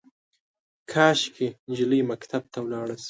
کاشکي، نجلۍ مکتب ته ولاړه شي